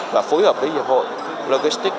và phối hợp với nghiệp hội logistic